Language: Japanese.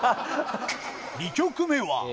２曲目は。